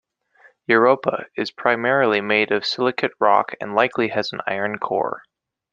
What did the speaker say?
Europa is primarily made of silicate rock and likely has an iron core.